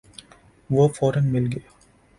وہ فورا مل گیا۔